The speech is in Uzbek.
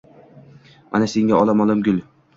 «Mana senga olam-olam gul